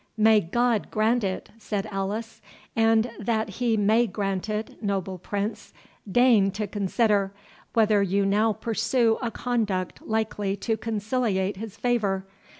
"May God grant it!" said Alice; "and that he may grant it, noble Prince, deign to consider—whether you now pursue a conduct likely to conciliate his favour.